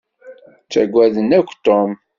Ttaggaden akk Tom.